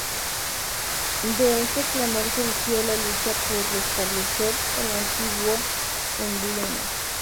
De ese clamor surgió la lucha por restablecer el antiguo emblema.